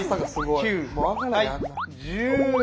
１０。